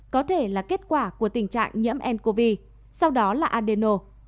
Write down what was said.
có thể là kết quả của tình trạng nhiễm ncov sau đó là adeno